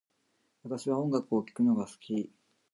私は音楽を聴くのが好き